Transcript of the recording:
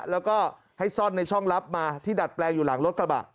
แล้วก็ให้ซ่อนในช่องลับมาที่ดัดแปลงอยู่หลังรถกระบะ